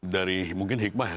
dari mungkin hikmah ya